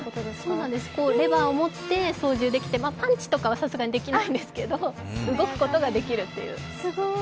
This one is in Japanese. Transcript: そうなんです、レバーを持って操縦できてパンチとかはさすがにできないんですが、動くことができるという。